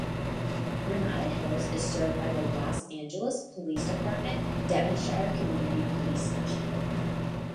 Granada Hills is served by the Los Angeles Police Department Devonshire Community Police Station.